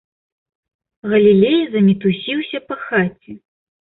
Галілей замітусіўся па хаце.